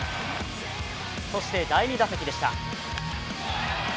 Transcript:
そして第２打席でした。